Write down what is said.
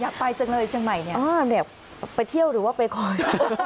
ไปจังเลยเชียงใหม่เนี่ยไปเที่ยวหรือว่าไปคอย